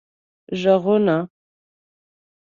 ږغونه